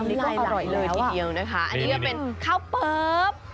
ใกล้อร่อยเลยทีเดียวนะคะอันนี้ก็เป็นข้าวเปิ๊บ